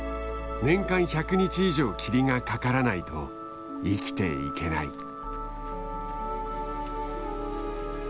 年間１００日以上霧がかからないと生きていけない。